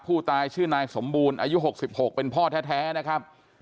ผู้ตายชื่อนายสมบูรณ์อายุ๖๖เป็นพ่อแท้นะครับ